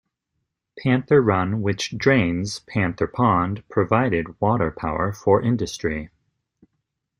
Panther Run, which drains Panther Pond, provided water power for industry.